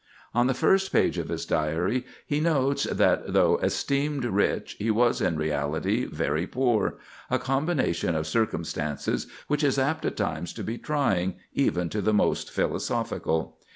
On the first page of his Diary he notes that, though "esteemed rich", he was in reality "very poor,"—a combination of circumstances which is apt at times to be trying even to the most philosophical.